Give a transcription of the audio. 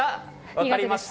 分かりました。